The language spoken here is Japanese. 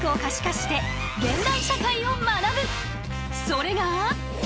それが。